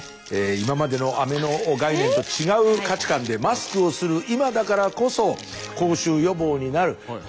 今までのアメの概念と違う価値観でマスクをする今だからこそ口臭予防になるこのアメをここに。